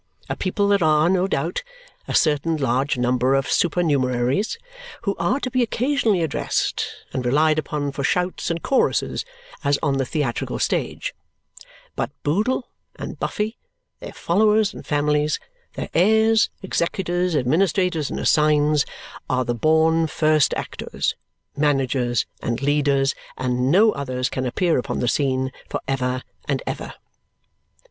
A People there are, no doubt a certain large number of supernumeraries, who are to be occasionally addressed, and relied upon for shouts and choruses, as on the theatrical stage; but Boodle and Buffy, their followers and families, their heirs, executors, administrators, and assigns, are the born first actors, managers, and leaders, and no others can appear upon the scene for ever and ever.